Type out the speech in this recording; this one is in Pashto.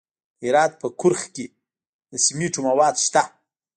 د هرات په کرخ کې د سمنټو مواد شته.